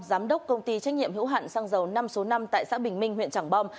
giám đốc công ty trách nhiệm hữu hạn xăng dầu năm số năm tại xã bình minh huyện trảng bom